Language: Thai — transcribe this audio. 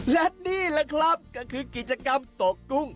และนี่แหละครับก็คือกิจกรรมตกกุ้ง